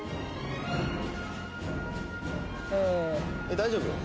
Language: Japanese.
大丈夫？